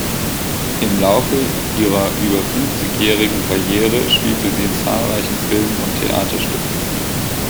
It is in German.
Im Laufe ihrer über fünfzigjährigen Karriere spielte sie in zahlreichen Filmen und Theaterstücken.